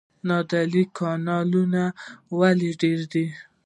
نادعلي کانالونه ولې ډیر دي؟